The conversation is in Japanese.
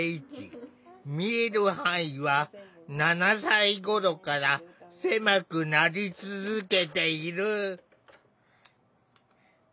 見える範囲は７歳頃から狭くなり続けている。